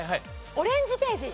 『オレンジページ』！